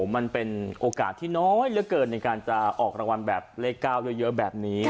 มันเป็นโอกาสที่น้อยเหลือเกินในการจะออกรางวัลแบบเลข๙เยอะแบบนี้